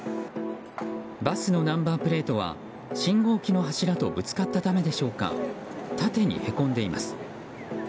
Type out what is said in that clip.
バスのナンバープレートは信号機の柱とぶつかったためでしょうか縦にへこんでいます。